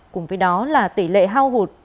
cùng với đó là tỷ lệ hao hụt